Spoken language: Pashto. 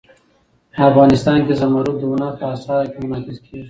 افغانستان کې زمرد د هنر په اثار کې منعکس کېږي.